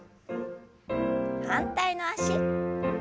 反対の脚。